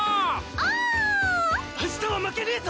あしたは負けねえぞ！